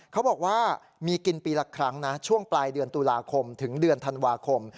เขาบอกว่ามีกินปีละครั้งนะช่วงปลายเดือนตุลาคมถึงเดือนธันวาคม